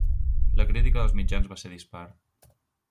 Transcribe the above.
La crítica dels mitjans va ser dispar.